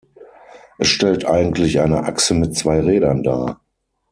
Es stellt eigentlich eine Achse mit zwei Rädern dar.